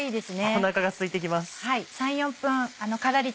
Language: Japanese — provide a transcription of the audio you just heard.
おなかがすいてきます。